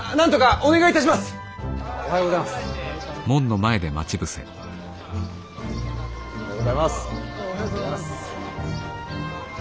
おはようございます。